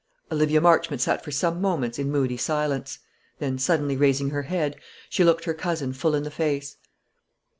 Olivia Marchmont sat for some moments in moody silence; then suddenly raising her head, she looked her cousin full in the face.